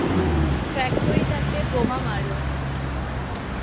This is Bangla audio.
ফ্যাক্টরিটাতে বোমা মারুন।